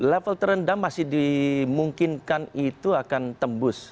level terendah masih dimungkinkan itu akan tembus